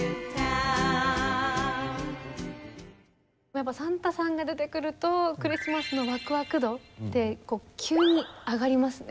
やっぱサンタさんが出てくるとクリスマスのワクワク度ってこう急に上がりますね。